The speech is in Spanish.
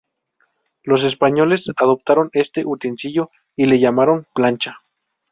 Los españoles adoptaron este utensilio y le llamaron plancha.